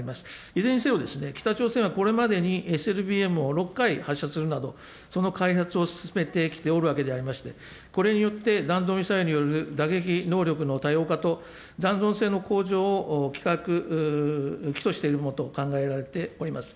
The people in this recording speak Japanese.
いずれにせよ、北朝鮮はこれまでにＳＬＢＭを６回発射するなど、その開発を進めてきておるわけでありまして、これによって弾道ミサイルによる打撃能力の多様化と、残存性の向上を企画を企図しているものと考えられております。